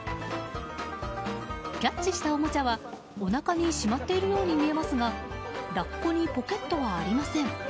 キャッチしたおもちゃはおなかにしまっているように見えますがラッコにポケットはありません。